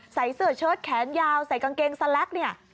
ใส่เสื้อเชิดแขนยาวใส่กางเกงสแล็กเนี่ย